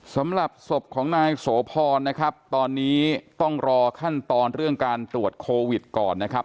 สำหรับศพของนายโสพรนะครับตอนนี้ต้องรอขั้นตอนเรื่องการตรวจโควิดก่อนนะครับ